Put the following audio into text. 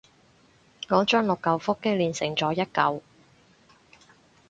我將六舊腹肌鍊成咗做一舊